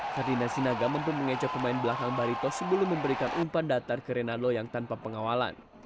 sardinasi naga mampu mengecoh pemain belakang barito sebelum memberikan umpan datar ke rinaldo yang tanpa pengawalan